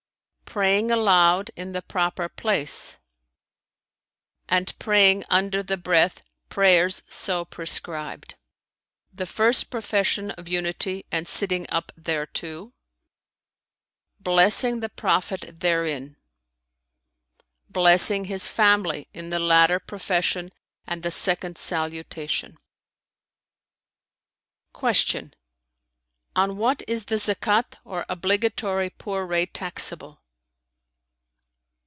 praying aloud in the proper place[FN#315] and praying under the breath prayers so prescribed; the first profession of unity and sitting up thereto; blessing the Prophet therein; blessing his family in the latter profession and the second Salutation." Q "On what is the Zakαt or obligatory poor rate taxable?"